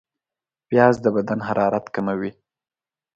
پیاز د بدن حرارت کموي